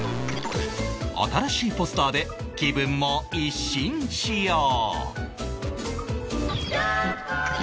新しいポスターで気分も一新しよう